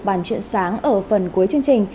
bản chuyện sáng ở phần cuối chương trình